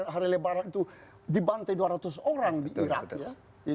hari lebaran itu dibantai dua ratus orang di irak ya